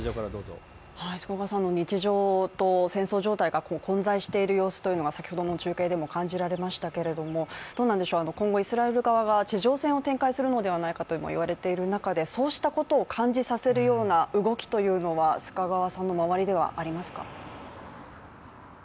日常と戦争状態が混在している状況というのが先ほどの中継でも感じられましたが今後イスラエル側が地上戦を展開するのではないかとも言われている中で、そうしたことを感じさせるような動きというのはありますか？